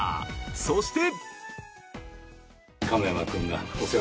そして。